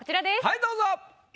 はいどうぞ。